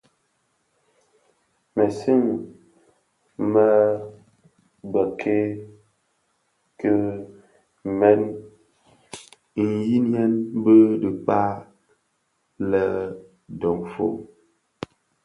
Mësëňi mË bikekel mèn ndheňiyên bi dhikpag lè dofon.